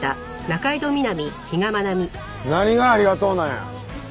何がありがとうなんや。